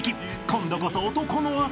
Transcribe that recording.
今度こそ「男の汗」